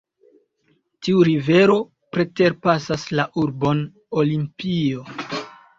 Tiu rivero preterpasas la urbon Olimpio.